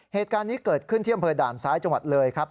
เหตุการณ์นี้เกิดขึ้นที่อำเภอด่านซ้ายจังหวัดเลยครับ